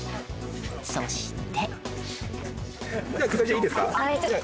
そして。